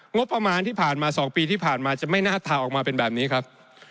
งบประมาณที่ผ่านมา๒ปีที่ผ่านมาจะไม่น่าทาออกมาเป็นแบบนี้ครับ